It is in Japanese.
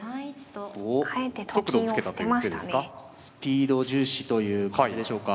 スピード重視という感じでしょうか。